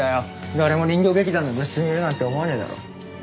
誰も人形劇団の部室にいるなんて思わねえだろ。